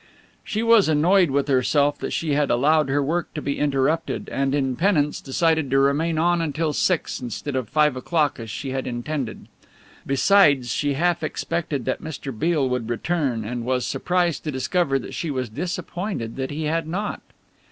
She was annoyed with herself that she had allowed her work to be interrupted, and in penance decided to remain on until six instead of five o'clock as she had intended. Besides, she half expected that Mr. Beale would return, and was surprised to discover that she was disappointed that he had not.